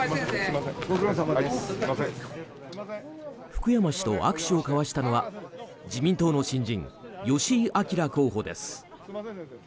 福山氏と握手を交わしたのは自民党の新人、吉井章候補です。